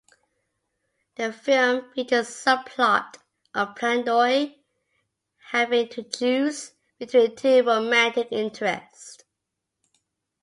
The film features a subplot of Pandoy having to choose between two romantic interests.